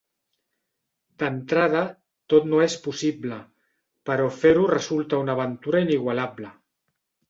D'entrada, tot no és possible, però fer-ho resulta una aventura inigualable.